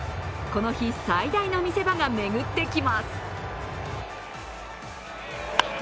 この日、最大の見せ場が巡ってきます。